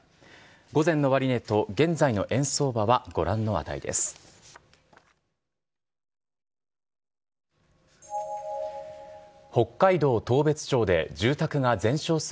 午前の終値と現在の円相場はご覧の値です。